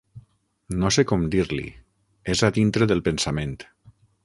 No sé com dir-li. És a dintre del pensament.